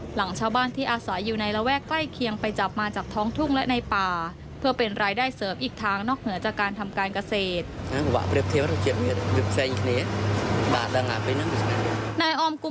หลังชาวบ้านที่อาศัยอยู่ในระแวกใกล้เคียงไปจับมาจากท้องทุ่งและในป่าเพื่อเป็นรายได้เสริมอีกทางนอกเหนือจากการทำการเกษตร